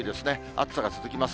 暑さが続きます。